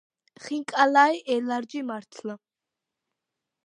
ხინკალაი ელარჯი მართლა